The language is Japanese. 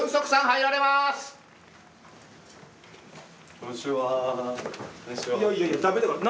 こんにちは。